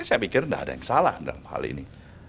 saya pikir tidak ada yang salah dalam hal ini